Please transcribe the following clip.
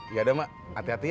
yaudah mak hati hati ya